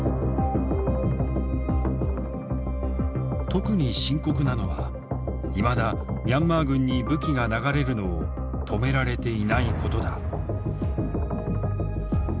特に深刻なのはいまだミャンマー軍に武器が流れるのを止められていないことだ。